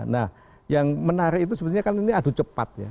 nah yang menarik itu sebenarnya kan ini adu cepat ya